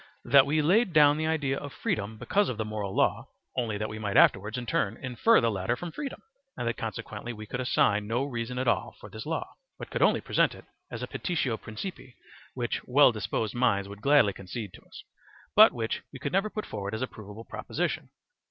that we laid down the idea of freedom because of the moral law only that we might afterwards in turn infer the latter from freedom, and that consequently we could assign no reason at all for this law, but could only [present] it as a petitio principii which well disposed minds would gladly concede to us, but which we could never put forward as a provable proposition.